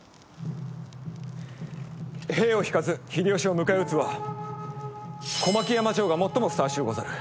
兵を引かず秀吉を迎え討つは小牧山城が最もふさわしゅうござる。